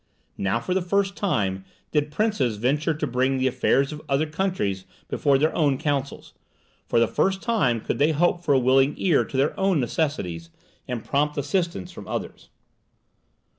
Now for the first time did princes venture to bring the affairs of other countries before their own councils; for the first time could they hope for a willing ear to their own necessities, and prompt assistance from others.